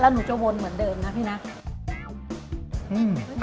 หนูจะวนเหมือนเดิมนะพี่นะ